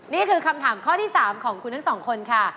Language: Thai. นี่คือคำถามข้อที่๓ของคุณทั้งสองคนค่ะ